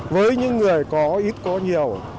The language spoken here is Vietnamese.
với những người có ít có nhiều